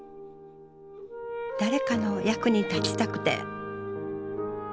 誰かの役に立ちたくて。